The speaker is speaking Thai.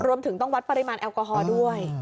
รวมถึงต้องวัดปริมาณแอลกอฮอล์ด้วย